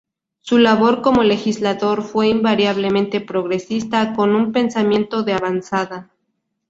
Su labor como legislador fue invariablemente progresista, con un pensamiento de avanzada.